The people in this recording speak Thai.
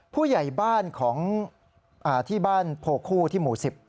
ผู้ใหญ่บ้านของที่บ้านโพคู่ที่หมู่๑๐